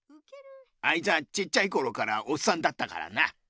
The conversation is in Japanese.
あいつはちっちゃいころからおっさんだったからな。